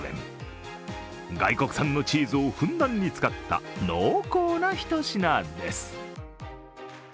外国産のチーズをふんだんに使った濃厚な一品です。